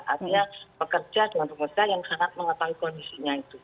artinya pekerja dan pengusaha yang sangat mengetahui kondisinya itu